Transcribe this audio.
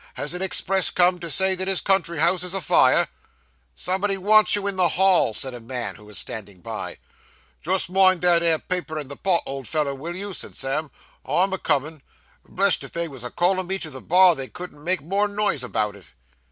Has an express come to say that his country house is afire?' 'Somebody wants you in the hall,' said a man who was standing by. 'Just mind that 'ere paper and the pot, old feller, will you?' said Sam. 'I'm a comin'. Blessed, if they was a callin' me to the bar, they couldn't make more noise about it!